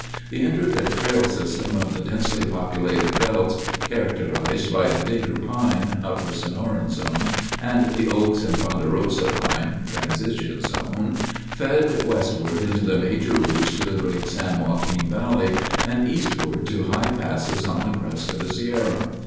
The intricate trail system of the densely populated belts, characterized by the Digger pine (Upper Sonoran Zone) and the oaks and ponderosa pine (Transition Zone), fed westward into major routes to the great San Joaquin Valley and eastward to high passes on the crest of the Sierra.